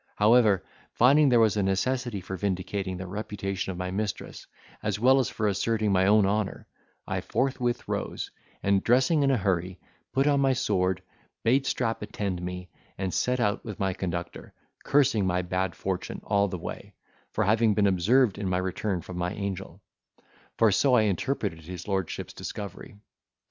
However, finding there was a necessity for vindicating the reputation of my mistress, as well as for asserting my own honour, I forthwith rose, and, dressing in a hurry, put on my sword, bade Strap attend me, and set out with my conductor, cursing my bad fortune all the way, for having been observed in my return from my angel; for so I interpreted his lordship's discovery.